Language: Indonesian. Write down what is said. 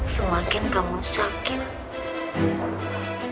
semakin kamu sakit